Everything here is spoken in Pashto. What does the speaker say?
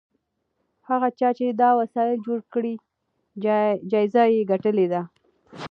هغه چا چې دا وسایل جوړ کړي جایزه یې ګټلې ده.